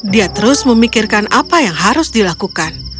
dia terus memikirkan apa yang harus dilakukan